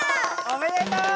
おめでとう！